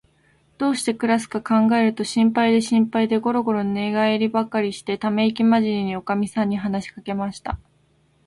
どうしてくらすかかんがえると、心配で心配で、ごろごろ寝がえりばかりして、ためいきまじりに、おかみさんに話しかけました。